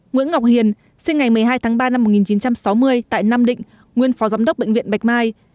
nguyễn ngọc hiền sinh ngày một mươi hai tháng ba năm một nghìn chín trăm sáu mươi tại nam định nguyên phó giám đốc bệnh viện bạch mai